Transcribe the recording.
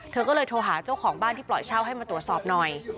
เธอก็เลยโทรหาเจ้าของบ้านที่ปล่อยเช่าให้มาตรวจสอบหน่อย